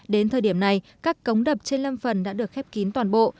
đến thời điểm này các cống đập trên lâm phần đã được khép kín toàn bộ